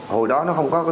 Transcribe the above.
hồi đó nó không có